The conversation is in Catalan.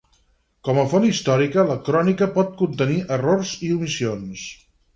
Com a font històrica, la Crònica pot contenir errors i omissions.